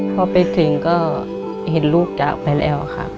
พอไปถึงก็เห็นลูกจากไปแล้วค่ะ